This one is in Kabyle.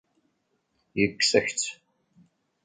Yekkes-ak-tt.